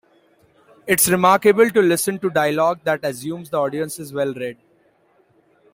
It's remarkable to listen to dialogue that assumes the audience is well-read.